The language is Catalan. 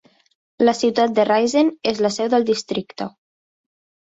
La ciutat de Raisen és la seu del districte.